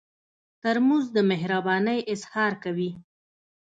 ترموز د مهربانۍ اظهار کوي.